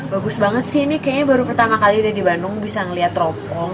bagus banget sih ini kayaknya baru pertama kali ada di bandung bisa ngeliat teropong